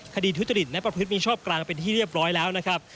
ทุจริตและประพฤติมีชอบกลางเป็นที่เรียบร้อยแล้วนะครับ